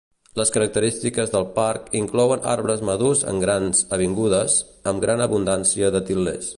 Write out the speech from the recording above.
Les característiques del parc, inclouen arbres madurs en grans avingudes, amb gran abundància de til·lers.